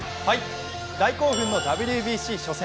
大興奮のＷＢＣ初戦。